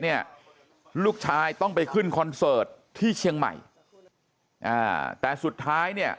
เนี่ยลูกชายต้องไปขึ้นคอนเสิร์ตที่เชียงใหม่อ่าแต่สุดท้ายเนี่ย